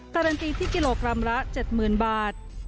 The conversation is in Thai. การันตีที่กิโลกรัมละ๗๐๐๐บาท